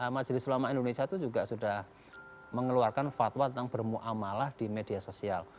majelis ulama indonesia itu juga sudah mengeluarkan fatwa tentang bermu'amalah di media sosial